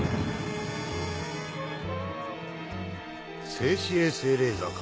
静止衛星レーザーか。